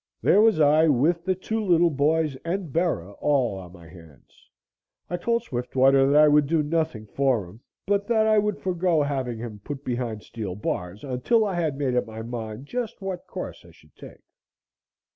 There was I with the two little boys and Bera all on my hands. I told Swiftwater that I would do nothing for him, but that I would forego having him put behind steel bars until I had made up my mind just what course I should take.